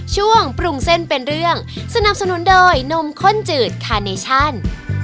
ช่วงปรุงเส้นเป็นเรื่องสนับสนุนโดยนมข้นจืดคาเนชั่น